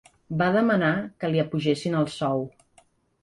Va demanar que li apugessin el sou.